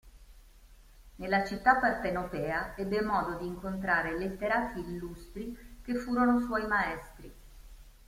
Nella città partenopea ebbe modo di incontrare letterati illustri che furono suoi maestri.